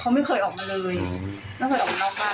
เขาไม่เคยออกมาเลยไม่เคยออกมานอกบ้าน